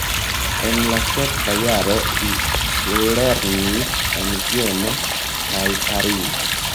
En la sekva jaro li plulernis en Vieno kaj Parizo.